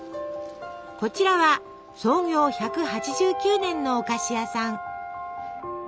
こちらは創業１８９年のお菓子屋さん。